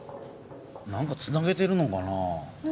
なんかつなげてるのかな？